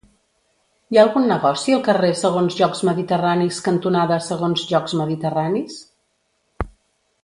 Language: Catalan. Hi ha algun negoci al carrer Segons Jocs Mediterranis cantonada Segons Jocs Mediterranis?